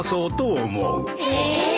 え！